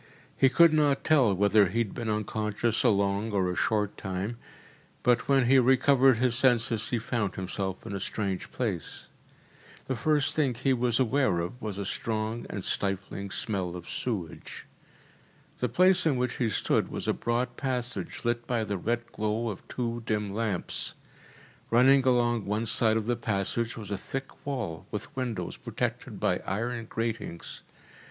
He could not tell whether he had been unconscious a long or a short time, but when he recovered his senses he found himself in a strange place. The first thing he was aware of was a strong and stifling smell of sewage. The place in which he stood was a broad passage lit by the red glow of two dim lamps. Running along one side of the passage was a thick wall with windows protected by iron gratings.